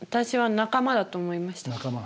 仲間。